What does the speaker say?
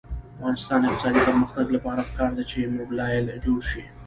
د افغانستان د اقتصادي پرمختګ لپاره پکار ده چې موبلایل جوړ شي.